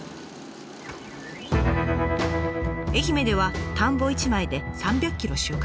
愛媛では田んぼ１枚で３００ｋｇ収穫。